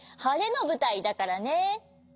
はれのぶたいだからね。